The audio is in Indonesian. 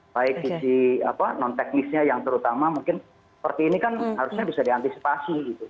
baik sisi non teknisnya yang terutama mungkin seperti ini kan harusnya bisa diantisipasi gitu